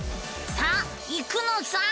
さあ行くのさ！